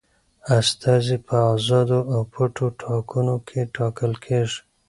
استازي په آزادو او پټو ټاکنو ټاکل کیږي.